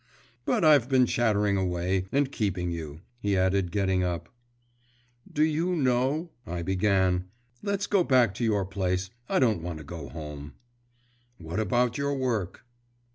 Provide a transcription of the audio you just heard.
But I've been chattering away, and keeping you,' he added, getting up. 'Do you know ,' I began; 'let's go back to your place, I don't want to go home.' 'What about your work?